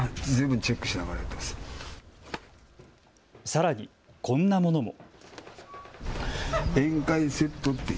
さらに、こんなものも。